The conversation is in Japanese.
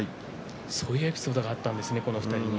そういうエピソードもあったんですね、この２人に。